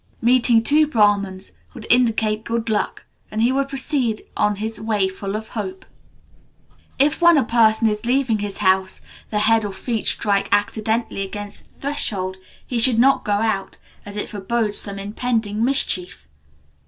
Meeting two Brahmans would indicate good luck, and he would proceed on his way full of hope. If, when a person is leaving his house, the head or feet strike accidentally against the threshold, he should not go out, as it forebodes some impending mischief.